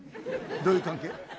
どういう関係？